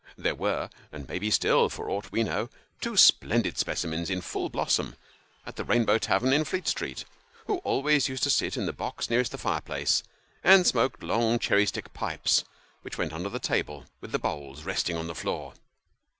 There were, and may bo still, for aught we know, two splendid specimens in full blossom at the Rainbow Tavern in Fleet Street,'>ho always used to sit in the box nearest the fire place, and smoked long cherry stick pipes which went under the table, with the bowls resting on the floor.